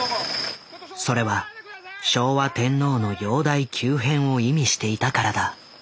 それは昭和天皇の容体急変を意味していたからだ。